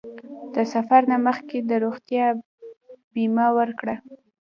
د سفر نه مخکې د روغتیا بیمه وکړه.